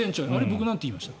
僕、なんて言いました？